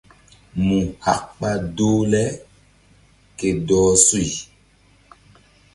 Mu hak ɓa doh le ke dɔh suy.